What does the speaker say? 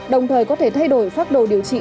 đồng thời có thể thay đổi phác đồ điều trị